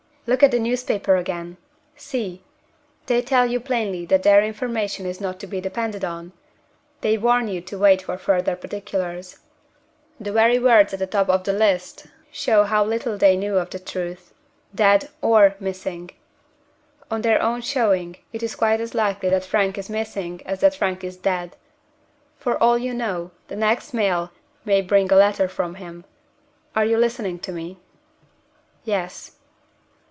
Look at the newspaper again. See! They tell you plainly that their information is not to be depended on they warn you to wait for further particulars. The very words at the top of the list show how little they knew of the truth 'Dead or Missing!' On their own showing, it is quite as likely that Frank is missing as that Frank is dead. For all you know, the next mail may bring a letter from him. Are you listening to me?" "Yes."